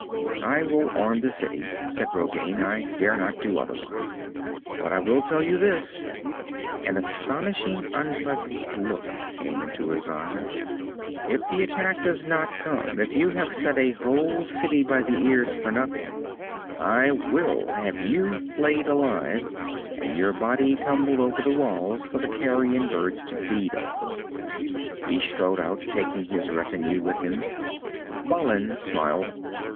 "I will arm the city," said Rogain. "I dare not do otherwise. But I will tell you this." An astonishing unpleasant look came into his eyes. "If the attack does not come if you have set a whole city by the ears for nothing I will have you flayed alive and your body tumbled over the Wall for the carrion birds to feed on." He strode out, taking his retinue with him. Balin smiled.